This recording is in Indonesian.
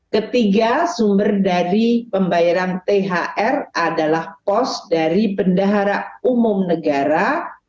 ketiga sumber dari pembayaran thr adalah pos dari bendahara umum negara